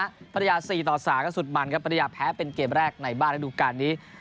เมืองปราณยาสี่ต่อสามก็สุดมันครับมันอยากแพ้เป็นเกมแรกในบ้านให้ดูกันดี